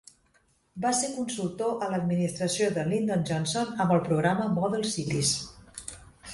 Va ser consultor a l'administració de Lyndon Johnson amb el programa Model Cities.